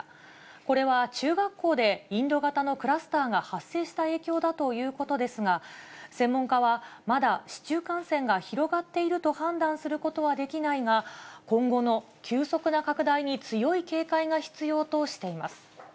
これは中学校でインド型のクラスターが発生した影響だということですが、専門家は、まだ市中感染が広がっていると判断することはできないが、今後の急速な拡大に強い警戒が必要としています。